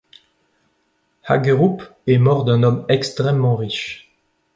Hagerup est mort d'un homme extrêmement riche.